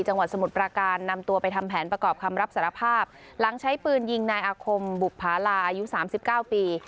จังหวัดสมุทรปราการนำตัวไปทำแผนประกอบคำรับสารภาพหลังใช้ปืนยิงนายอาคมบุภาราอายุสามสิบเก้าปี